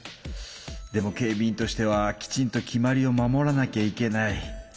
でも警備員としてはきちんと決まりを守らなきゃいけない。